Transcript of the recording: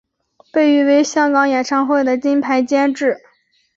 被誉为香港演唱会的金牌监制。